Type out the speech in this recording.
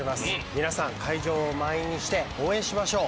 皆さん会場を満員にして応援しましょう。